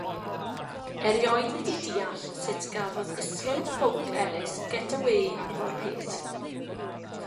Erioed wedi deall sut gafodd Islwyn Ffowc Elis get-awê efo'r peth.